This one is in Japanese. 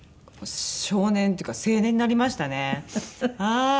少年っていうか青年になりましたねはい。